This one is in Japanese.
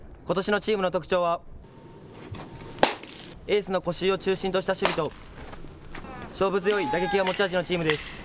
ことしのチームの特徴はエースの越井を中心とした守備と勝負強い打撃が持ち味のチームです。